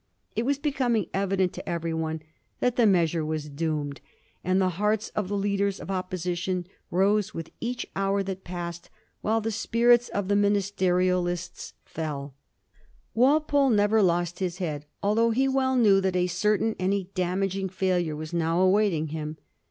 It was becoming evident to every one that the measure was doomed, and the hearts of the leaders of Opposition rose with each hour that passed, while the spirits of the Ministerialists feU. Digiti zed by Google 1783 THE BILL ABANDONED. 419 Walpole never lost his head, although he well knew that a certain and a damaging failure was now awaiting him.